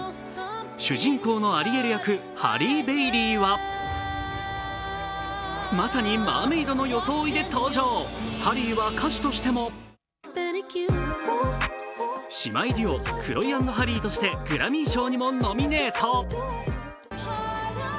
主人公のアリエル役ハリー・ベイリーはまさにマーメイドの装で登場ハリーは歌手としても姉妹デュオ、クロイ＆ハリーとしてグラミー賞にもノミネート。